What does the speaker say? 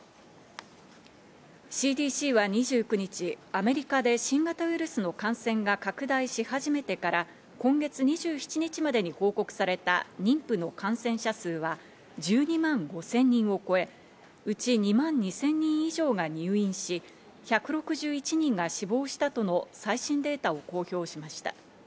ＣＤＣは２９日、アメリカで新型ウイルスの感染が拡大し始めてから今月２７日までに報告された妊婦の感染者数は１２万５０００人を超え、うち２万２０００人以上が入院し、１６１人が死亡したとの最新データを公表しました。